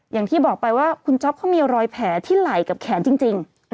อย่างที่บอกไปว่าคุณจ๊อปเขามีรอยแผลที่ไหล่กับแขนจริง